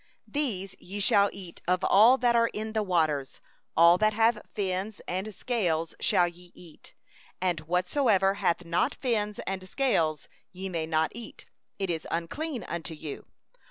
9These ye may eat of all that are in the waters: whatsoever hath fins and scales may ye eat; 10and whatsoever hath not fins and scales ye shall not eat; it is unclean unto you.